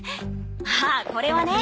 ああこれはね。